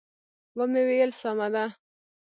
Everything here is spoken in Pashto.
و مې ویل: سمه ده.